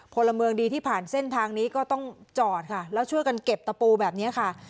พลเมืองดีที่ผ่านเส้นทางนี้ก็ต้องจอดค่ะแล้วช่วยกันเก็บตะปูแบบนี้ค่ะ